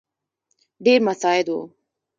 ډېر مساعد وو.